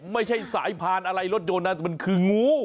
ไม่ใช่สายพานอะไรรถยนต์นะมันคืองู